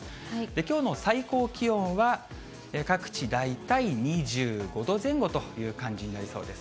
きょうの最高気温は各地大体２５度前後という感じになりそうです。